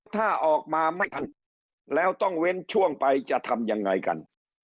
ถ้าออกมาไม่ทันการแล้วต้องเว้นช่วงไปจะทำยังไงกัน